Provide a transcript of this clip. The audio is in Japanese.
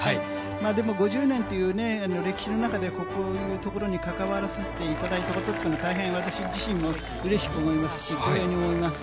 でも５０年というね、歴史の中で、こういうところに関わらさせていただいたことというのは、大変、私自身もうれしく思いますし、光栄に思います。